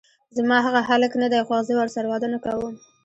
زما هغه هلک ندی خوښ، زه ورسره واده نکوم!